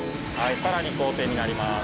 さらに荒天になります。